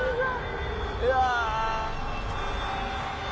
うわ。